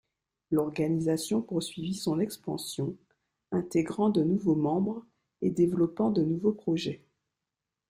L'organisation poursuivit son expansion, intégrant de nouveaux membres, et développant de nouveaux projets.